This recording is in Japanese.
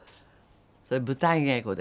それ舞台稽古で。